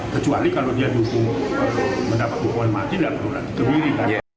kecuali kalau dia mendapatkan hukuman mati dan berurang ke diri